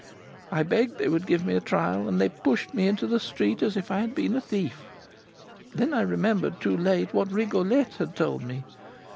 I begged they would give me a trial, and they pushed me into the street as if I had been a thief. Then I remembered, too late, what Rigolette had told me.